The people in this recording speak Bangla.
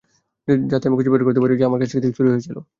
যাতে আমি খুঁজে বের করতে পারি যা আমার কাছ থেকে চুরি হয়েছিল।